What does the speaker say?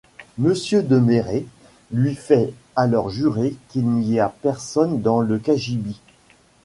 Monsieur de Merret lui fait alors jurer qu'il n'y a personne dans le cagibi.